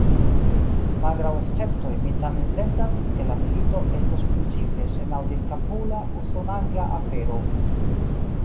Malgraŭ esceptoj, mi tamen sentas, ke la milito estos principe senaŭdilkapula, usonangla afero.